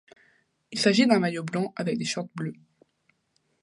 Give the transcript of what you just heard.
Il s'agit d'un maillot blanc avec des shorts bleus.